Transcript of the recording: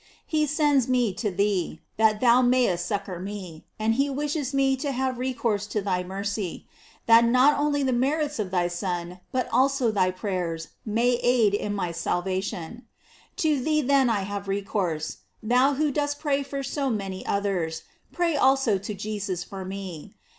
He sends me to thee, that thou mayest succor me, and he wishes me to have re course to thy mercy, that not only the merits of thy Son, but also thy prayers may aid in my sal GLORIES OF HAKY. ration. To thee then I have recourse; thou who dost pray for so many others, pray also to Jesus for me.